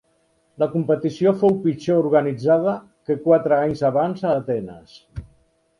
La competició fou pitjor organitzada que quatre anys abans a Atenes.